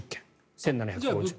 １７５０万円。